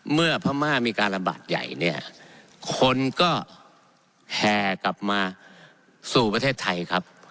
พม่ามีการระบาดใหญ่เนี่ยคนก็แห่กลับมาสู่ประเทศไทยครับ